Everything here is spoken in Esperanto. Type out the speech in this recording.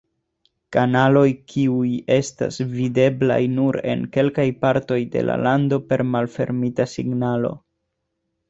Kanaloj kiuj estas videblaj nur en kelkaj partoj de la lando per malfermita signalo.